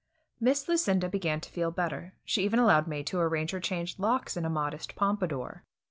Miss Lucinda began to feel better; she even allowed May to arrange her changed locks in a modest pompadour.